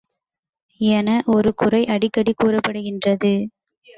என ஒரு குறை அடிக்கடி கூறப்படுகின்றது.